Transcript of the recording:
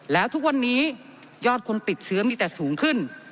แล้วทุกวันนี้ยอดคนติดเชื้อมีแต่สูงขึ้น